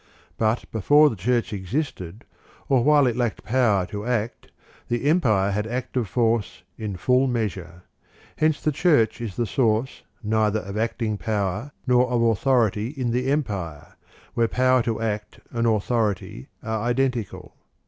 But be fore the Church existed, or while it lacked power to act, the Empire had active force in full mea sure. Hence the Church is the source neither of acting power nor of authority in the Empire, where power to act and authority are identical.